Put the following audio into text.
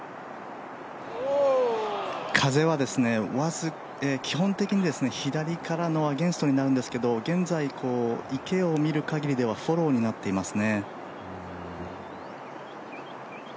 風は基本的に左からのアゲンストになるんですけど現在、池を見るかぎりではフォローになっていますね。